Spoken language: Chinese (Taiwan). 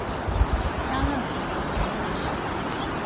嘉樂福觀光夜市